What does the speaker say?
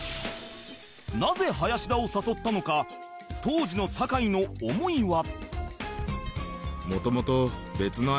なぜ林田を誘ったのか当時の酒井の思いは